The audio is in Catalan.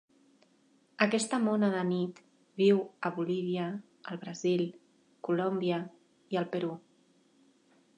Aquesta mona de nit viu a Bolívia, el Brasil, Colòmbia i el Perú.